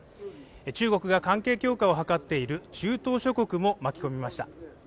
中国が関係強化を図っている中東諸国も巻き込みました。